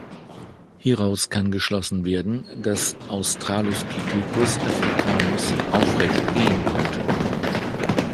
Hieraus kann geschlossen werden, dass "Australopithecus africanus" aufrecht gehen konnte.